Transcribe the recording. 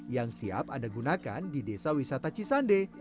yang siap anda gunakan di desa wisata cisande